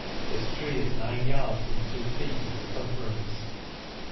This tree is nine yards and two feet in circumference.